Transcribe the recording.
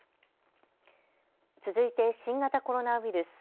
続いて新型コロナウイルス。